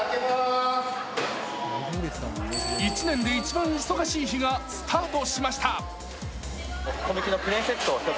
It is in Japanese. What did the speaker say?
１年で一番忙しい日がスタートしました。